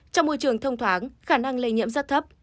trong môi trường thông thoáng khả năng lây nhiễm rất thấp